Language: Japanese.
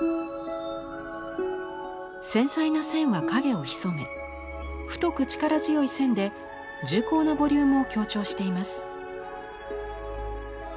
繊細な線は影を潜め太く力強い線で重厚なボリュームを強調しています。